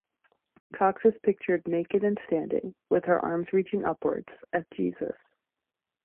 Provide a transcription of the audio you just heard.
Cox is pictured naked and standing, with her arms reaching upwards, as Jesus.